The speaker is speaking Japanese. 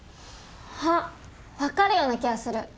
あっ分かるような気がする。